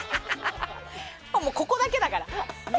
ここだけだから。